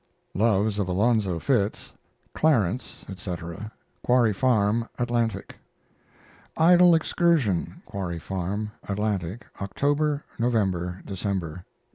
LOVES OF ALONZO FITZ CLARENCE, ETC. (Quarry Farm) Atlantic. IDLE EXCURSION (Quarry Farm) Atlantic, October, November, December.